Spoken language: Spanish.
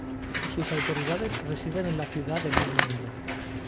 Sus autoridades residen en la ciudad del mismo nombre.